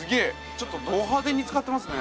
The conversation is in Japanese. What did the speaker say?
ちょっとど派手に使ってますね。